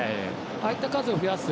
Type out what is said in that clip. ああいった数を増やす。